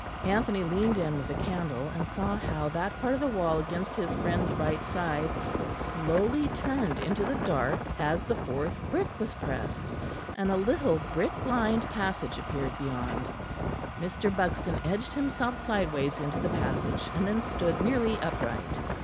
Anthony leaned in with a candle, and saw how that part of the wall against his friend's right side slowly turned into the dark as the fourth brick was pressed, and a little brick lined passage appeared beyond. Mr. Buxton edged himself sideways into the passage, and then stood nearly upright.